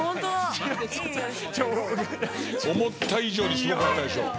思った以上にすごかったでしょ？